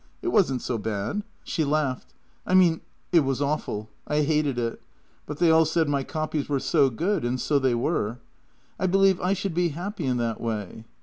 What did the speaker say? It wasn't so bad." She laughed. " I mean, it was awful. I hated it. But they all said my copies were so good — and so they were. I believe I should be happy in that way.